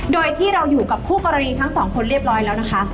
โดยที่เราอยู่กับคู่กรณีทั้งสองคนเรียบร้อยแล้วนะคะ